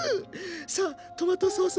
さあトマトソース